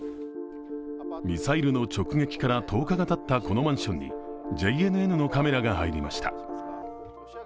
ミサイルの直撃から１０日がたったこのマンションにＪＮＮのカメラが入りました。